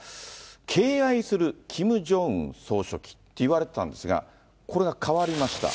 敬愛するキム・ジョンウン総書記って言われてたんですが、これが変わりました。